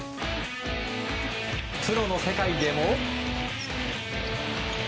プロの世界でも。